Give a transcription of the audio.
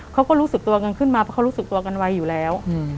เขาก็รู้สึกตัวเงินขึ้นมาเพราะเขารู้สึกตัวกันไวอยู่แล้ว